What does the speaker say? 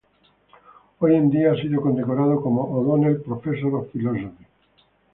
Hoy en día, ha sido condecorado como O'Donnell Professor of Philosophy.